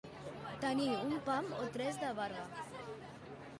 Tenir un pam o tres de barba.